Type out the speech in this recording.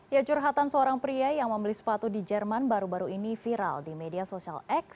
ya curhatan seorang pria yang membeli sepatu di jerman baru baru ini viral di media sosial x